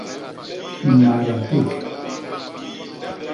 Mada ték.